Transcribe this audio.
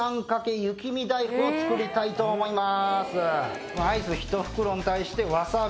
作りたいと思います。